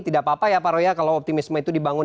tidak apa apa ya pak roya kalau optimisme itu dibangun